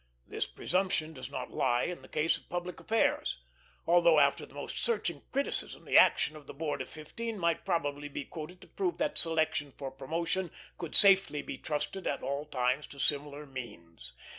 This presumption does not lie in the case of public affairs, although after the most searching criticism the action of the board of fifteen might probably be quoted to prove that selection for promotion could safely be trusted at all times to similar means.